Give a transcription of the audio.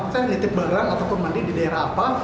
saya nitip barang ataupun mandi di daerah apa